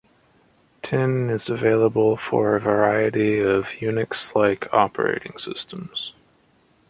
Tin is available for a variety of Unix-like operating systems.